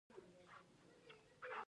آیا ټول قومونه ځان ته افغان وايي؟